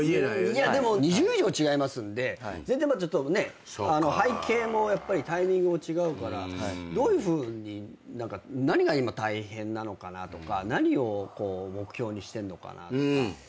でも２０以上違いますんで全然背景もタイミングも違うからどういうふうに何が今大変なのかなとか何を目標にしてんのかなとか。